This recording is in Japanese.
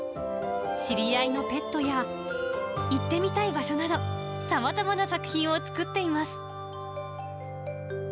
知り合いのペットや、行ってみたい場所など、さまざまな作品を作っています。